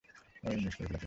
ঐ, ইউনিস্, কই গেলা তুমি?